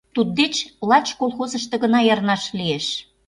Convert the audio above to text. Туддеч лач колхозышто гына эрнаш лиеш.